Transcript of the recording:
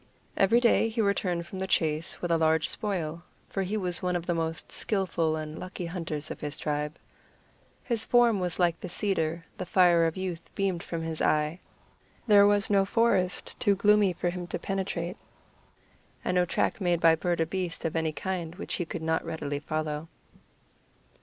Every day he returned from the chase with a large spoil, for he was one of the most skilful and lucky hunters of his tribe. His form was like the cedar; the fire of youth beamed from his eye; there was no forest too gloomy for him to penetrate, and no track made by bird or beast of any kind which he could not readily follow.